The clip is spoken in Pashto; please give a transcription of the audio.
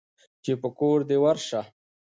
چې په کور دى ورشه.